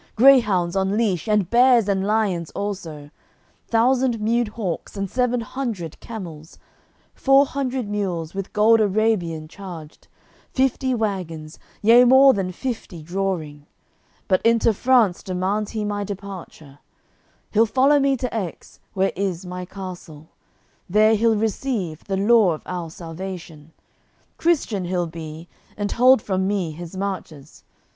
Greyhounds on leash and bears and lions also, Thousand mewed hawks and seven hundred camels, Four hundred mules with gold Arabian charged, Fifty wagons, yea more than fifty drawing. But into France demands he my departure; He'll follow me to Aix, where is my Castle; There he'll receive the law of our Salvation: Christian he'll be, and hold from me his marches.